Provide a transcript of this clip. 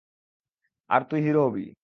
আর তুই হিরো হবি।